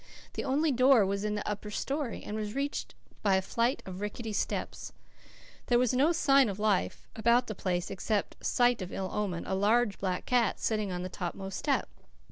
The only door was in the upper story, and was reached by a flight of rickety steps. There was no sign of life about the place except sight of ill omen a large black cat, sitting on the topmost step.